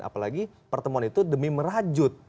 apalagi pertemuan itu demi merajut